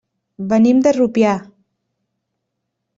Venim de Rupià.